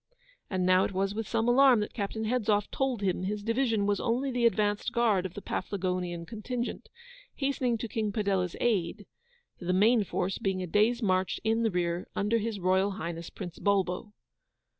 And now it was with some alarm that Captain Hedzoff told him his division was only the advanced guard of the Paflagonian contingent, hastening to King Padella's aid; the main force being a day's march in the rear under His Royal Highness Prince Bulbo.